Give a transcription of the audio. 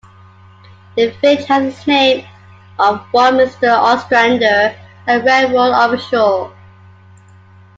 The village has the name of one Mr. Ostrander, a railroad official.